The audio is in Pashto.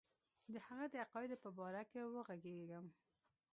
د هغه د عقایدو په باره کې وږغېږم.